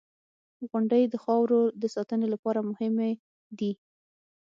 • غونډۍ د خاورو د ساتنې لپاره مهمې دي.